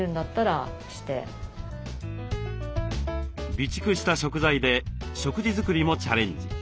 備蓄した食材で食事作りもチャレンジ。